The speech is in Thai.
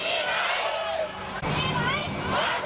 เกิดเสียงเราอยู่เขามาเป็นทางให้เรารวย